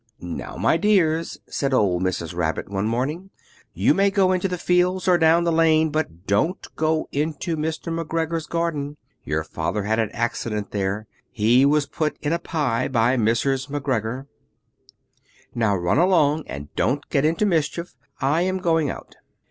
'Now my dears,' said old Mrs. Rabbit one morning, 'you may go into the fields or down the lane, but don't go into Mr. McGregor's garden: your Father had an accident there; he was put in a pie by Mrs. McGregor.' 'Now run along, and don't get into mischief. I am going out.'